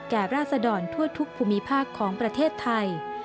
ราศดรทั่วทุกภูมิภาคของประเทศไทย